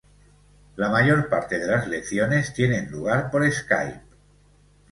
La mayor parte de las lecciones tienen lugar por Skype.